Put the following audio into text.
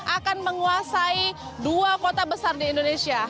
akan menguasai dua kota besar di indonesia